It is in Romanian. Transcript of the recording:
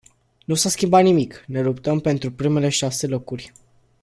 Nu s-a schimbat nimic, ne luptăm pentru primele șase locuri.